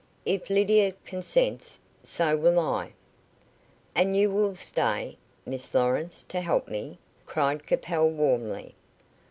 "If Lydia consents, so will I." "And you will stay, Miss Lawrence, to help me?" cried Capel, warmly.